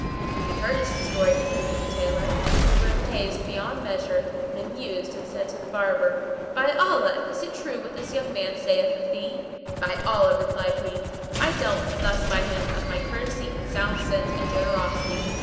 When we heard his story (continued the Tailor) we were amazed beyond measure and amused and said to the Barber, "By Allah, is it true what this young man saith of thee?" "By Allah," replied he, "I dealt thus by him of my courtesy and sound sense and generosity.